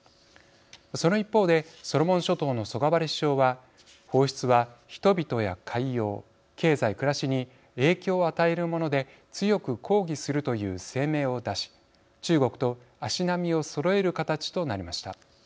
その一方でソロモン諸島のソガバレ首相は放出は、人々や海洋経済、暮らしに影響を与えるもので強く抗議するという声明を出し中国と足並みをそろえる形となりました。